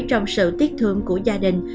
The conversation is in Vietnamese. trong sự tiếc thương của gia đình